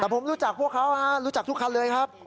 แต่ผมรู้จักพวกเขารู้จักทุกคันเลยครับ